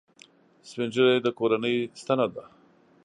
سپین ږیری د کورنۍ ستنه ده